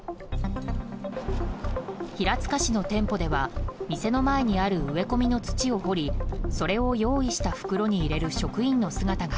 平塚市の店舗では店の前にある植え込みの土を掘りそれを用意した袋に入れる職員の姿が。